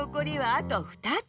あと２つ。